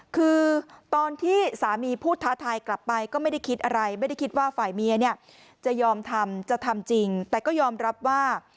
คือตอนที่สามีพูดท้าทายกลับไปก็ไม่ได้คิดอะไรไม่ได้คิดว่าฝ่ายเมียเนี่ยจะยอมทำจะทำจริงแต่ก็ยอมรับว่า